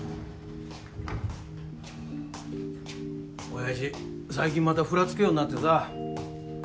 親父最近またふらつくようになってさ。